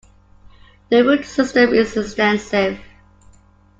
The root system is extensive.